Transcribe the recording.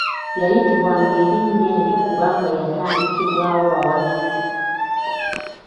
Yayitibwanga erinnya eryo kubanga yatandikibwawo bawagizi.